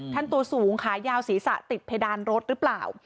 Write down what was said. ตัวสูงขายาวศีรษะติดเพดานรถหรือเปล่า